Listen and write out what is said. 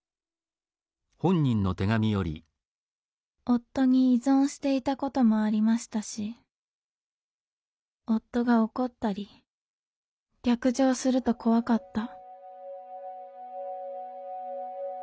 「夫に依存していたこともありましたし夫が怒ったり逆上すると恐かった」。